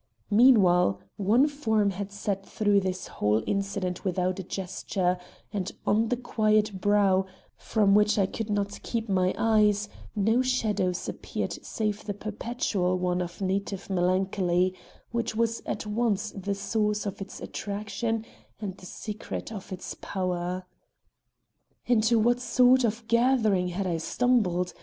Meanwhile, one form had sat through this whole incident without a gesture; and on the quiet brow, from which I could not keep my eyes, no shadows appeared save the perpetual one of native melancholy, which was at once the source of its attraction and the secret of its power. Into what sort of gathering had I stumbled?